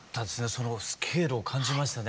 そのスケールを感じましたね。